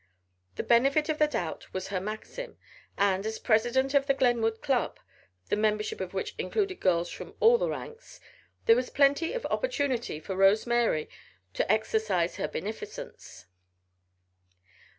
The benefit of the doubt was her maxim, and, as president of the Glenwood Club, the membership of which included girls from all the ranks, there was plenty of opportunity for Rose Mary to exercise her benificence.